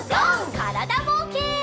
からだぼうけん。